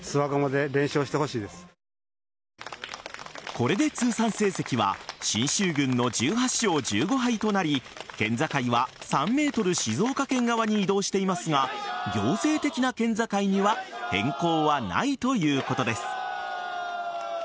これで通算成績は信州軍の１８勝１５敗となり県境は３ｍ静岡県側に移動していますが行政的な県境には変更はないということです。